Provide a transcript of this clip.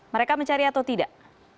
mereka mencari atau tidak